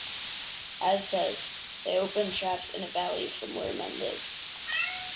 As says, They open shafts in a valley from where men live.